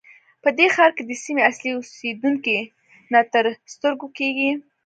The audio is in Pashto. په دې ښار کې د سیمې اصلي اوسېدونکي نه تر سترګو کېږي.